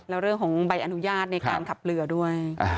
แล้วเรื่องของใบอนุญาตในการขับเรือด้วย